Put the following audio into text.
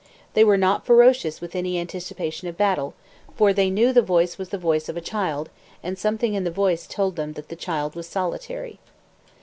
They were not ferocious with any anticipation of battle, for they knew the voice was the voice of a child, and something in the voice told them the child was solitary.